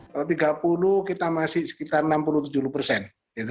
kalau tiga puluh kita masih sekitar enam puluh tujuh persen